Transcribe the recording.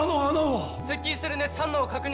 接近する熱反応を確認。